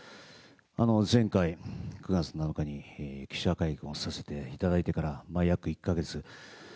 前回、９月７日に記者会見をさせていただいてから、約１か月。